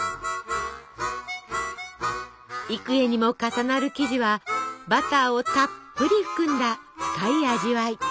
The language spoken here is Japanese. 幾重にも重なる生地はバターをたっぷり含んだ深い味わい。